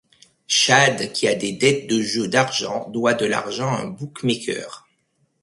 Chad qui a des dettes de jeu d'argent doit de l'argent à un bookmaker.